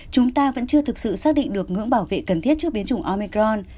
chúng ta vẫn chưa thực sự xác định được ngưỡng bảo vệ cần thiết trước biến chủng omicron